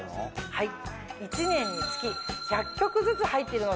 はい。